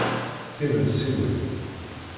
Timensiwin!